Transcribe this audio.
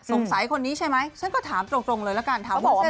สงสัยคนนี้ใช่ไหมฉันก็ถามจรงเลยละกัน